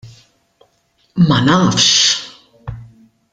Ma nafx!